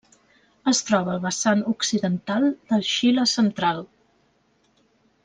Es troba al vessant occidental del Xile central.